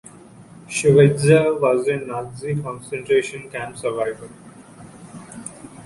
Schweitzer was a Nazi concentration camp survivor.